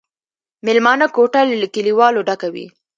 مېلمانه کوټه له کليوالو ډکه وه.